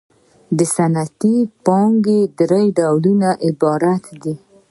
د صنعتي پانګې درې ډولونه عبارت دي